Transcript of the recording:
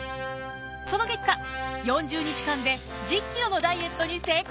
その結果４０日間で１０キロのダイエットに成功！